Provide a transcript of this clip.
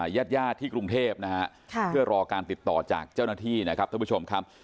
ญาติญาติที่กรุงเทพนะฮะเพื่อรอการติดต่อจากเจ้าหน้าที่นะครับท่านผู้ชมครับ